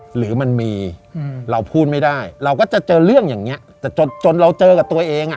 หรือมันมีเราพูดไม่ได้เราก็จะเจอเรื่องอย่างนี้แต่จนจนเราเจอกับตัวเองอ่ะ